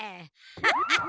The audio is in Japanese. ハハハ！